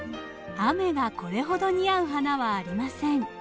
雨がこれほど似合う花はありません。